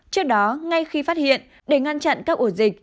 trước đó ngay khi phát hiện để ngăn chặn các ổ dịch